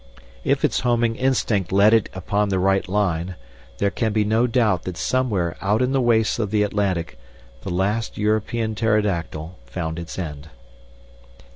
If its homing instinct led it upon the right line, there can be no doubt that somewhere out in the wastes of the Atlantic the last European pterodactyl found its end.